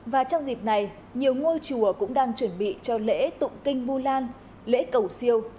và trong dịp này nhiều ngôi chùa cũng đang chuẩn bị cho lễ tụng kinh vu lan lễ cầu siêu